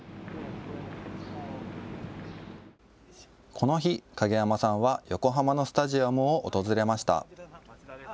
この日、影山さんは横浜のスタジアムを訪れました。